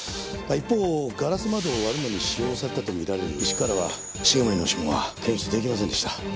一方ガラス窓を割るのに使用されたと見られる石からは重森の指紋は検出出来ませんでした。